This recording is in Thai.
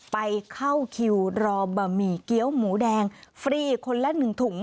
ไปเข้าคิวรอบะหมี่เกี้ยวหมูแดงฟรีคนละ๑ถุง